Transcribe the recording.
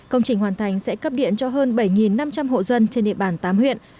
công trình hoàn thành sẽ cấp điện cho hơn bảy năm trăm linh hộ dân trên địa bàn tám huyện